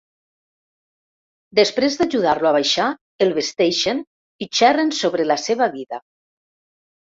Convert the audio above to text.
Després d'ajudar-lo a baixar el vesteixen i xerren sobre la seva vida.